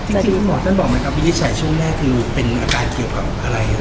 ที่คุณหมอท่านบอกไหมครับวินิจฉัยช่วงแรกคือเป็นอาการเกี่ยวกับอะไร